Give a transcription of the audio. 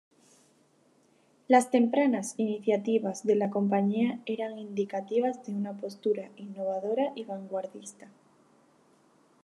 Las tempranas iniciativas de la compañía eran indicativas de una postura innovadora y vanguardista.